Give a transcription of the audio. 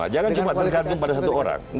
jangan cuma tergantung pada satu orang